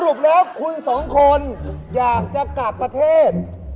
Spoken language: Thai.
รุปแล้วคุณสองคนอยากจะกลับประเทศ